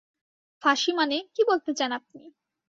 ফাঁসি মানে, কী বলতে চান আপনি?